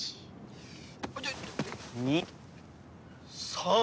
３。